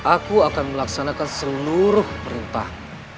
aku akan melaksanakan seluruh perintah